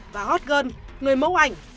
và hot gun người mẫu ảnh